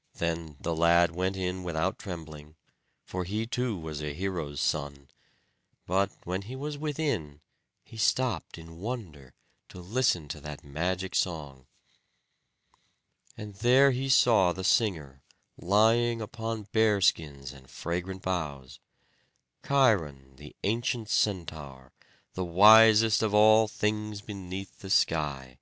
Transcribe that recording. '" Then the lad went in without trembling, for he, too, was a hero's son; but when he was within, he stopped in wonder, to listen to that magic song. And there he saw the singer lying upon bear skins and fragrant boughs; Cheiron, the ancient centaur, the wisest of all things beneath the sky.